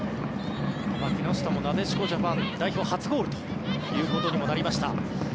木下もなでしこジャパン代表初ゴールということにもなりました。